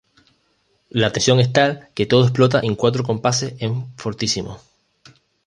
La tensión es tal que todo explota en cuatro compases en "fortissimo".